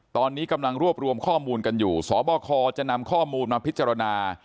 ตอนนี้กำลังรวบรวมข้อมูลกันอยู่สบคจะนำข้อมูลมาพิจารณา